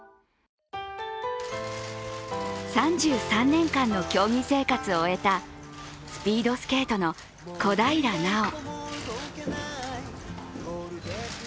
３３年間の競技生活を終えたスピードスケートの小平奈緒。